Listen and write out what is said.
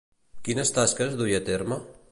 Quines tasques duia a terme?